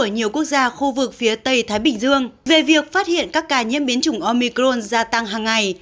nhiều quốc gia khu vực phía tây thái bình dương về việc phát hiện các ca nhiễm biến chủng omicron gia tăng hàng ngày